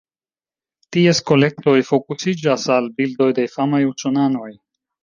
Ties kolektoj fokusiĝas al bildoj de famaj usonanoj.